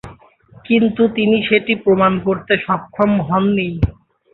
কিন্তু তিনি সেটি প্রমাণ করতে সক্ষম হননি।